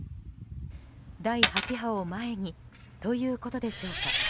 第８波を前にということでしょうか。